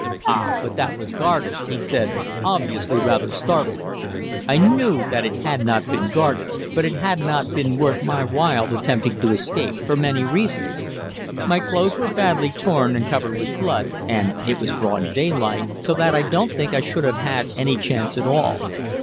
"Ah, but that was guarded," he said, obviously rather startled. I knew that it had not been guarded, but it had not been worth my while attempting to escape, for many reasons. My clothes were badly torn and covered with blood, and it was broad daylight, so that I don't think I should have had any chance at all.